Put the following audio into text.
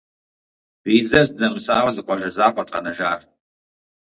Биидзэр здынэмысауэ зы къуажэ закъуэт къэнэжар.